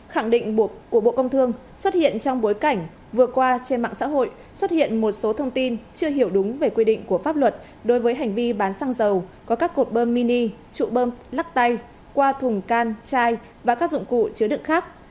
khẳng định buộc của bộ công thương xuất hiện trong bối cảnh vừa qua trên mạng xã hội xuất hiện một số thông tin chưa hiểu đúng về quy định của pháp luật đối với hành vi bán xăng dầu có các cột bơm mini trụ bơm lắc tay qua thùng can chai và các dụng cụ chứa đựng khác